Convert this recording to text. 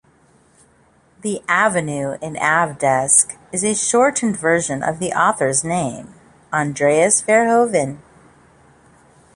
The "Avenue" in "AveDesk" is a shortened version of the author's name, Andreas Verhoeven.